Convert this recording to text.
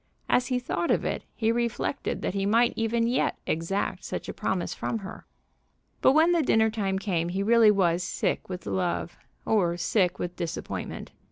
As he thought of it, he reflected that he might even yet exact such a promise from her. But when the dinner time came he really was sick with love, or sick with disappointment.